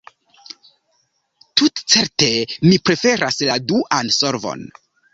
Tutcerte mi preferas la duan solvon.